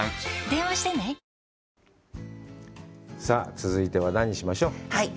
さあ、続いては何しましょう？